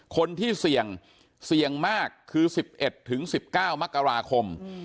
คนที่เสี่ยงเสี่ยงมากคือ๑๑๑๑๙มกราคม